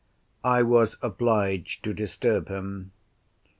I was obliged to disturb him.